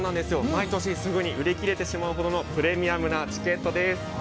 ◆すぐに売り切れてしまうほどのプレミアムなチケットです。